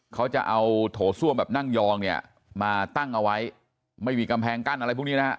เขาจะเอาโถส้วมแบบนั่งยองเนี่ยมาตั้งเอาไว้ไม่มีกำแพงกั้นอะไรพวกนี้นะฮะ